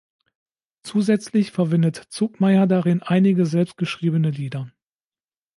Zusätzlich verwendet Zuckmayer darin einige selbstgeschriebene Lieder.